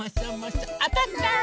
あたった！